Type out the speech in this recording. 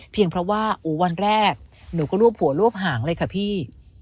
เพราะว่าวันแรกหนูก็รวบหัวรวบหางเลยค่ะพี่